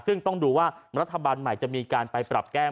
ซึ่งต้องดูว่ารัฐบาลใหม่จะมีการไปปรับแก้ม